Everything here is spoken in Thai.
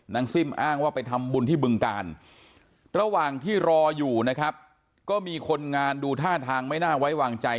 ซิ่มอ้างว่าไปทำบุญที่บึงการระหว่างที่รออยู่นะครับก็มีคนงานดูท่าทางไม่น่าไว้วางใจ